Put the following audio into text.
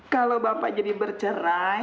kalau bapak jadi bercerai